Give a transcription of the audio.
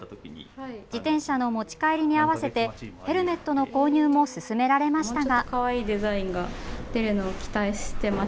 自転車の持ち帰りに合わせてヘルメットの購入もすすめられましたが。